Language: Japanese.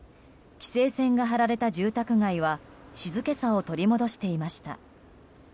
規制線が張られた住宅街は静けさを取り戻していました。